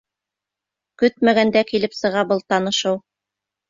Көтмәгәндә килеп сыға был танышыу.